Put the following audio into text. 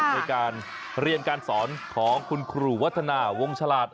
ในการเรียนการสอนของคุณครูวัฒนาวงฉลาด